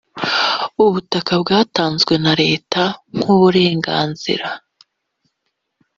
ubutaka bwatanzwe na leta nk’uburenganzira